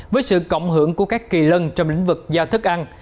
với sự cộng hưởng của các kỳ lân trong lĩnh vực da thức ăn